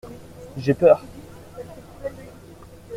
J’ai peur.